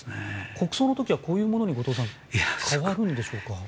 国葬の時はこういうものに変わるんでしょうか。